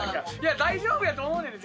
大丈夫やと思うねんで。